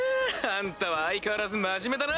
あんたは相変わらず真面目だな！